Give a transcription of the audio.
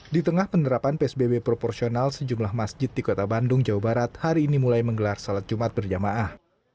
di tengah penerapan psbb proporsional sejumlah masjid di kota bandung jawa barat hari ini mulai menggelar salat jumat berjamaah